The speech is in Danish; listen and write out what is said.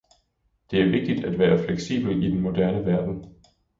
Det er vigtigt at være fleksibel i den moderne verden.